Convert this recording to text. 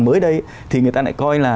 mới đây thì người ta lại coi là